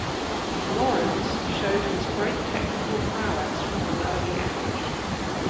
Laurens showed his great technical prowess from an early age.